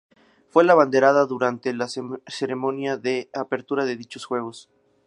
Fue la abanderada durante la ceremonia de apertura de dichos Juegos.